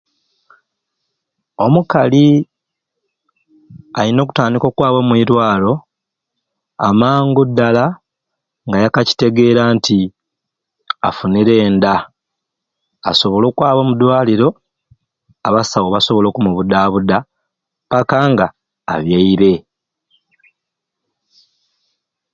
Omukali ayina okutandika okwaba omuirwaro amangu dala nga yakacitegeera nti afunire enda, asobole okwaba omudwaliiro abasawo basobole okumubudabuda paka nga abyaire.